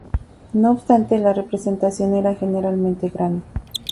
No obstante, la representación era generalmente grande.